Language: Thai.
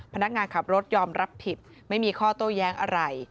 พนักงานขับรถยอมรับผิดไม่มีข้อโต้แย้งอะไร